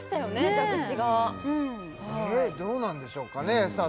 蛇口どうなんでしょうかねさあ